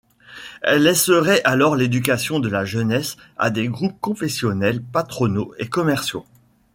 Elle laisserait alors l'éducation de la jeunesse a des groupes confessionnels, patronaux et commerciaux.